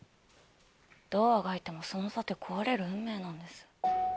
どうあがいてもその盾壊れる運命なんです。